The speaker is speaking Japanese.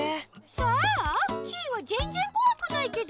そう？キイはぜんぜんこわくないけど。